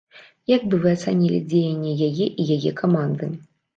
Як бы вы ацанілі дзеянні яе і яе каманды?